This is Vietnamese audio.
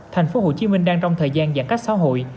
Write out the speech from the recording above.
tp hcm đang trong thời gian giãn cách xã hội